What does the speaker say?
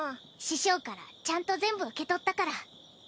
師匠からちゃんと全部受け取ったから。